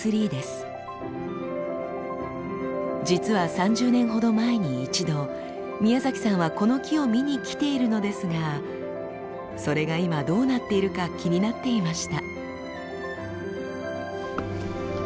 実は３０年ほど前に一度宮崎さんはこの木を見に来ているのですがそれが今どうなっているか気になっていました。